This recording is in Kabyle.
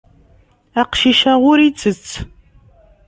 Aqcic-a ur ittett.